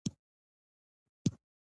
شاوخوا ټوله خالي ده بل ګلاب نه معلومیږي